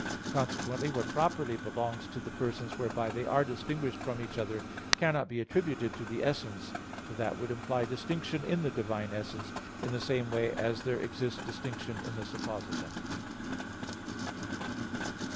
Consequently, what properly belongs to the persons whereby they are distinguished from each other, cannot be attributed to the essence. For that would imply distinction in the divine essence, in the same way as there exists distinction in the _supposita.